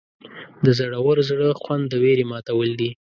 د زړور زړه خوند د ویرې ماتول دي.